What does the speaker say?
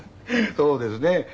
そうですね。